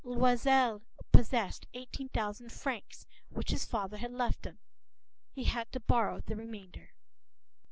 p>Loisel possessed eighteen thousand francs which his father had left him. He had to borrow the remainder.